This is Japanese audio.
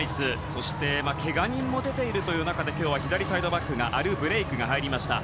そして、けが人も出ている中で今日は左サイドバックにアルブレイクが入りました。